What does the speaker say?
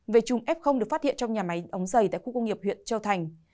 vê trùng f được phát hiện trong nhà máy ống dày tại khu công nghiệp huyện châu thành